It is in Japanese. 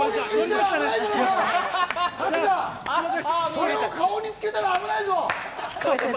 それを顔につけたら危ないぞ！